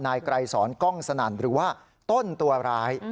ไกรสอนกล้องสนั่นหรือว่าต้นตัวร้าย